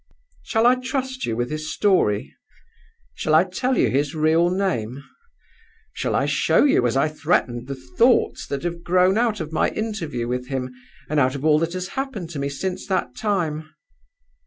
"Shall I trust you with his story? Shall I tell you his real name? Shall I show you, as I threatened, the thoughts that have grown out of my interview with him and out of all that has happened to me since that time?